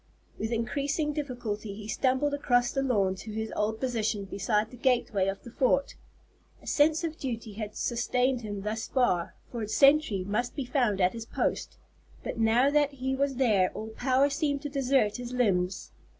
With increasing difficulty he stumbled across the lawn to his old position beside the gateway of the fort. A sense of duty had sustained him thus far, for a sentry must be found at his post; but now that he was there, all power seemed to desert his limbs.